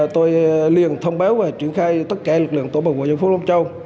tôi liền thông báo và triển khai tất cả lực lượng tổ bộ dân phố long châu